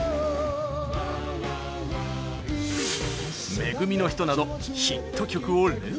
「め組のひと」などヒット曲を連発！